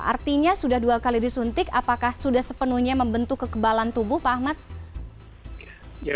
artinya sudah dua kali disuntik apakah sudah sepenuhnya membentuk kekebalan tubuh pak ahmad